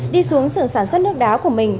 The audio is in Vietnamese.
đi xuống sưởng sản xuất nước đá của mình